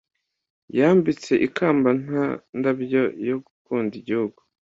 Yambitswe ikamba nta ndabyo yo gukunda igihugu,